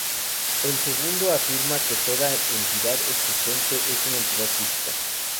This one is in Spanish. El segundo afirma que toda entidad existente es una entidad física.